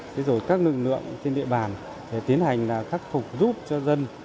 và các lực lượng trên địa bàn để tiến hành khắc phục giúp cho dân